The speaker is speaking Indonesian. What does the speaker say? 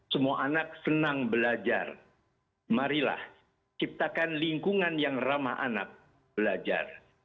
semua anak senang belajar marilah ciptakan lingkungan yang ramah anak belajar